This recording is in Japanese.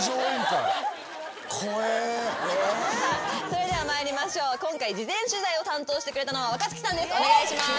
それでは参りましょう今回事前取材を担当してくれたのは若槻さんです